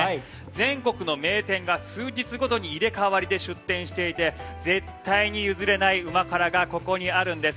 全国の名店が数日ごとに入れ替わりで出店していて絶対に譲れない旨辛がここにあるんです。